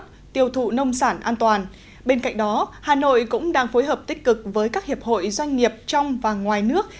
tiêu thụ nông sản an toàn bên cạnh đó hà nội cũng đang phối hợp tích cực với các hiệp hội doanh nghiệp trong và ngoài nước